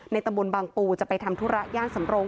ในตะมนต์บางปูจะไปทำธุระย่างสำโรง